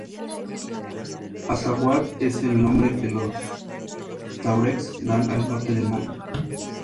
Azawad es el nombre que los tuaregs dan al norte de Malí.